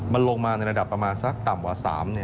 มันลงมาในระดับประมาณสักต่ำกว่า๓